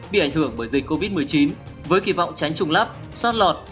bị ảnh hưởng bởi dịch covid một mươi chín với kỳ vọng tránh trùng lắp sát lọt